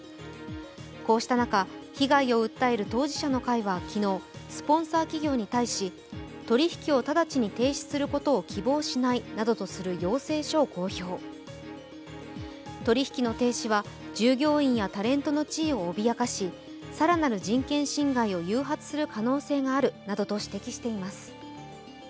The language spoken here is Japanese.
こうした中、被害を訴える当事者の会は昨日、スポンサー企業に対し、取り引きを直ちに停止することを希望しないなどとする要請書を公表、取引の停止は従業員やタレントの地位を脅かし、更なる人権侵害を誘発する可能性があるなどと指摘しています。